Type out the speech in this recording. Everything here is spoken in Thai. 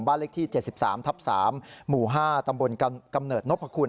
เลขที่๗๓ทับ๓หมู่๕ตำบลกำเนิดนพคุณ